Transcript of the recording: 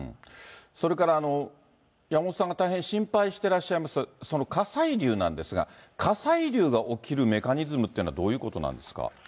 それから山元さんが大変心配してらっしゃいます、火砕流なんですが、火砕流が起きるメカニズムというのはどういうことなんですか。